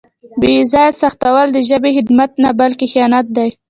بې ځایه سختول د ژبې خدمت نه بلکې خیانت دی.